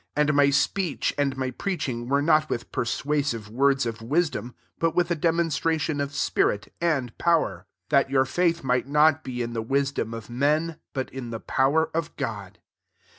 4 And my speech, and my preaching, were not with persuasive words of wis dom, but with a demonstration of spirit, and power: 5 that your faith might not be in the wisdom of men, but in the power of God.